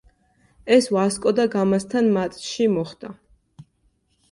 ეს „ვასკო და გამასთან“ მატჩში მოხდა.